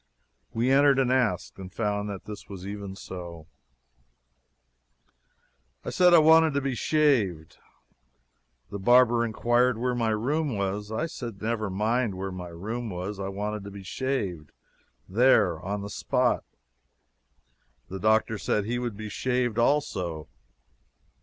We entered and asked, and found that it was even so. I said I wanted to be shaved. The barber inquired where my room was. I said never mind where my room was, I wanted to be shaved there, on the spot. The doctor said he would be shaved also.